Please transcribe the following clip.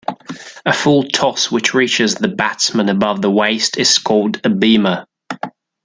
A full toss which reaches the batsman above the waist is called a beamer.